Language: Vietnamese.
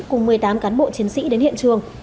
cùng một mươi tám cán bộ chiến sĩ đến hiện trường